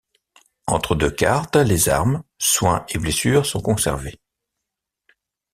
Entre deux cartes, les armes, soins et blessures sont conservés.